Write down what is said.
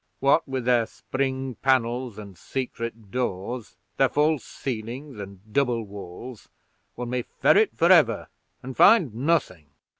What with their spring panels, and secret doors, their false ceilings, and double walls, one may ferret forever, and find nothing."